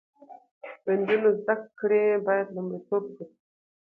د نجونو زده کړې باید لومړیتوب وګرځي.